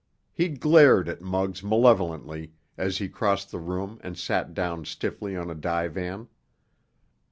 He glared at Muggs malevolently as he crossed the room and sat down stiffly on a divan.